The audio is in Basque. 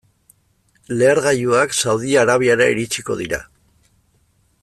Lehergailuak Saudi Arabiara iritsiko dira.